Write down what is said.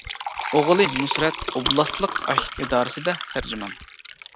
ئوغلى نۇسرەت ئوبلاستلىق ئاشلىق ئىدارىسىدە تەرجىمان.